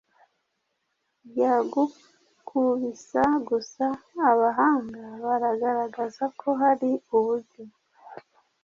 yagukubisa gusa abahanga banagaragaza ko hari uburyo